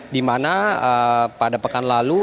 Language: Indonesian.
di mana pada pekan lalu